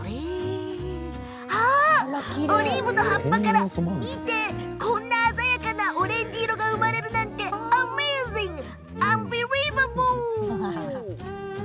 オリーブの葉っぱからこんな鮮やかなオレンジ色が生まれるなんてアンビリーバボー！